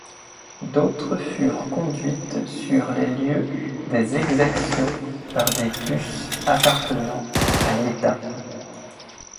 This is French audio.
D'autres furent conduites sur les lieux des exactions par des bus appartenant à l'État.